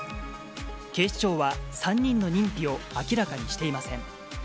警視庁は３人の認否を明らかにしていません。